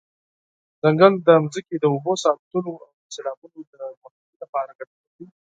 ځنګل د ځمکې د اوبو ساتلو او د سیلابونو د مخنیوي لپاره ګټور دی.